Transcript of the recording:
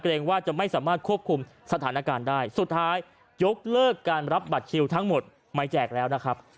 ว่าจะไม่สามารถควบคุมสถานการณ์ได้สุดท้ายยกเลิกการรับบัตรคิวทั้งหมดไม่แจกแล้วนะครับ